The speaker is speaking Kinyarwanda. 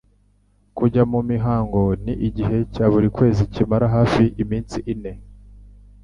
Kujya mu mihango Ni igihe cya buri kwezi kimara hafi iminsi ine;